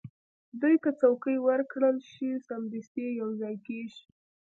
دوی که څوکۍ ورکړل شي، سمدستي یو ځای کېږي.